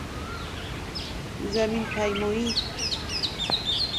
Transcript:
زمین پیمای